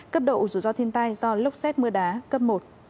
cấp độ rủi ro thiên tai do lốc xét mưa đá cấp một